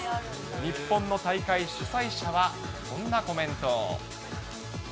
日本の大会主催者は、こんなコメントを。